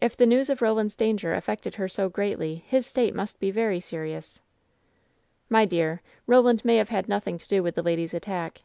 If the news of Roland's danger affected her so greatly, his state must be very serious." "My dear, Roland may have had nothing to do with WHEN SHADOWS DEE 119 the lady's attack.